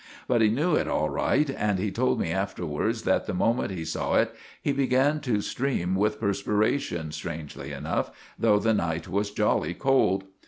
But he saw it all right, and he told me afterwards that the moment he saw it he began to stream with perspiration strangely enough, though the night was jolly cold.